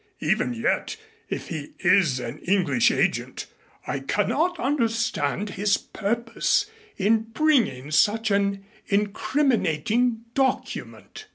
Even yet, if he is an English agent, I cannot understand his purpose in bringing such an incriminating document."